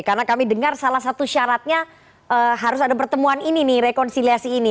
karena kami dengar salah satu syaratnya harus ada pertemuan ini nih rekonsiliasi ini